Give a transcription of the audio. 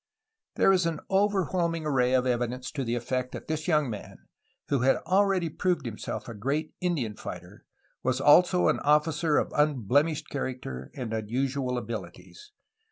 There is an overwhelming array of evidence to the effect that this young man, who had already proved himself a great Indian fighter, was also an officer of unblemished character and unusual abilities.